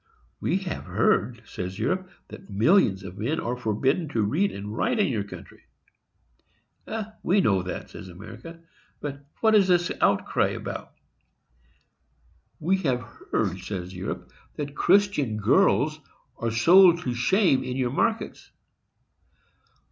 "We have heard," says Europe, "that millions of men are forbidden to read and write in your country." "We know that," says America; "but what is this outcry about?" "We have heard," says Europe, "that Christian girls are sold to shame in your markets!"